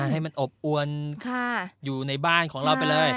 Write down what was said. ให้มันอบอวนอยู่ในบ้านของเราไปเลย